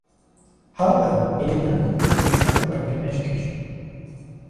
However, he did not complete his undergraduate education.